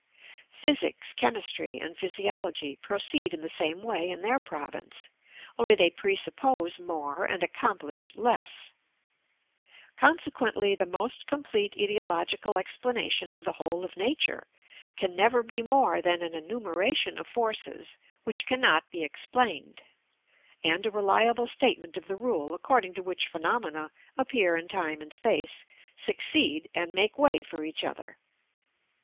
Physics, chemistry, and physiology proceed in the same way in their province, only they presuppose more and accomplish less. Consequently the most complete etiological explanation of the whole of nature can never be more than an enumeration of forces which cannot be explained, and a reliable statement of the rule according to which phenomena appear in time and space, succeed, and make way for each other.